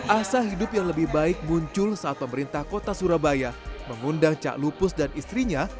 asa hidup yang lebih baik muncul saat pemerintah kota surabaya mengundang cak lupus dan istrinya